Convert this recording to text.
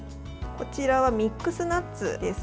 こちらはミックスナッツです。